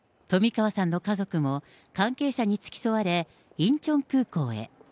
冨川さんの家族も、関係者に付き添われ、インチョン空港へ。